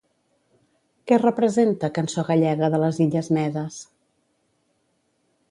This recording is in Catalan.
Què representa Cançó gallega de les illes Medes?